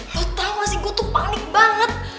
lo tau gak sih gue tuh panik banget